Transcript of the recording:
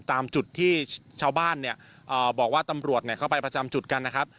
ตามจุดที่ชาวบ้านเนี่ยบอกว่าตำรวจเข้าไปประจำจุดกันนะครับ